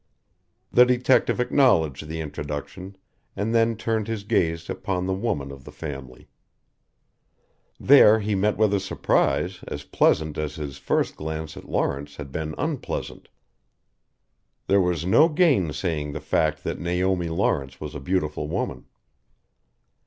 The detective acknowledged the introduction and then turned his gaze upon the woman of the family. There he met with a surprise as pleasant as his first glance at Lawrence had been unpleasant. There was no gainsaying the fact that Naomi Lawrence was a beautiful woman.